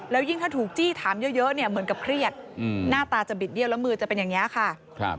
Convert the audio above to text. แล้วยิ่งถ้าถูกจี้ถามเยอะเนี่ยเหมือนกับเครียดหน้าตาจะบิดเบี้ยแล้วมือจะเป็นอย่างนี้ค่ะ